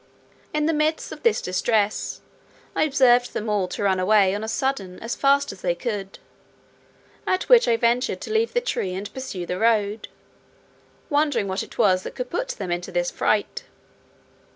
In the midst of this distress, I observed them all to run away on a sudden as fast as they could; at which I ventured to leave the tree and pursue the road, wondering what it was that could put them into this fright.